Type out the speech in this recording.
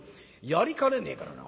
やりかねねえからな。